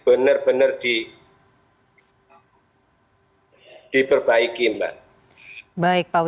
benar benar diperbaiki mbak